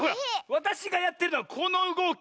わたしがやってるのはこのうごき。